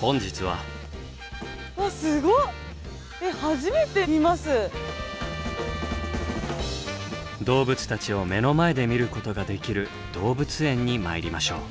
動物たちを目の前で見ることができる動物園に参りましょう。